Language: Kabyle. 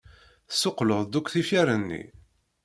Tessuqqleḍ-d akk tifyar-nni.